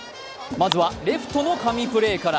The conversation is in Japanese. まずはレフトの神プレーから。